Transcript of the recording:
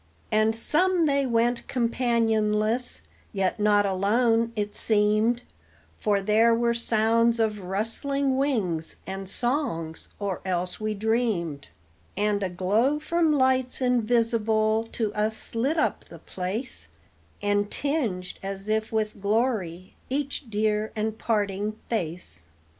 And some they went companionless, yet not alone, it seemed; For there were sounds of rustling wings, and songs, or else we dreamed; And a glow from lights invisible to us lit up the place, And tinged, as if with glory, each dear and parting face.